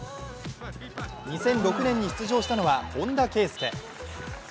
２００６年に出場したのは本田圭佑。